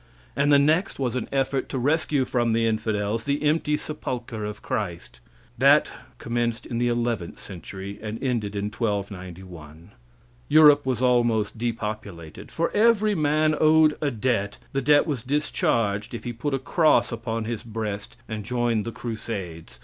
And the next was an effort to rescue from the infidels the empty sepulchre of Christ. That commenced in the eleventh century and ended in 1291. Europe was almost depopulated. For every man owed a debt, the debt was discharged if he put a cross upon his breast and joined the Crusades.